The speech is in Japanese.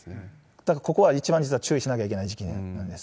だからここは一番実は注意しなきゃいけない時期なんです。